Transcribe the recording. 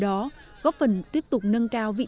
đã đồng hành với bộ phim hôm nay